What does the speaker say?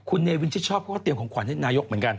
คุณเนวินชิดชอบเขาก็เตรียมของขวัญให้นายกเหมือนกัน